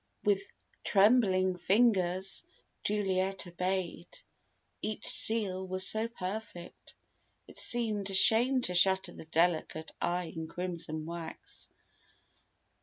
With trembling fingers Juliet obeyed. Each seal was so perfect, it seemed a shame to shatter the delicate eye in crimson wax.